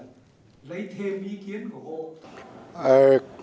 lấy thêm ý kiến của hồ